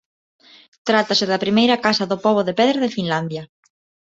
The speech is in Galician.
Trátase da primeira casa do pobo de pedra de Finlandia.